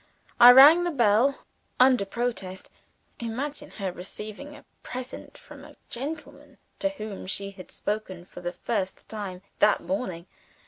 I rang the bell, under protest (imagine her receiving a present from a gentleman to whom she had spoken for the first time that morning!)